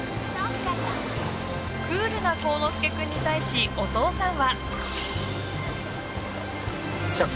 クールな幸之介君に対しお父さんは。